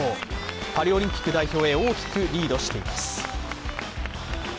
パリオリンピック代表へ大きくリードしています。